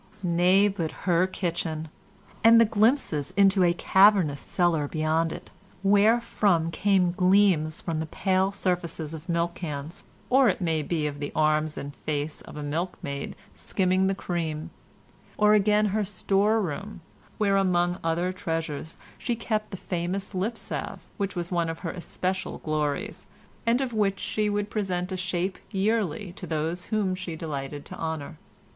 Nay, but her kitchen—and the glimpses into a cavernous cellar beyond it, wherefrom came gleams from the pale surfaces of milk cans, or it may be of the arms and face of a milkmaid skimming the cream; or again her storeroom, where among other treasures she kept the famous lipsalve which was one of her especial glories, and of which she would present a shape yearly to those whom she delighted to honour.